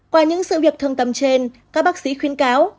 qua những sự việc thương tâm trên các bác sĩ khuyên cáo